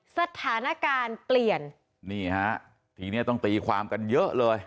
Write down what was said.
สถานการณ์เปลี่ยนนี่ฮะทีเนี้ยต้องตีความกันเยอะเลย